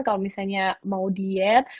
kalau misalnya mau diet